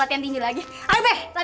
biar dia rasa